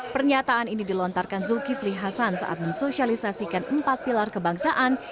pernyataan ini dilontarkan zulkifli hasan saat mensosialisasikan empat pilar kebangsaan